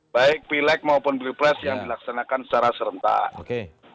baik pileg maupun pilpres yang dilaksanakan secara serentak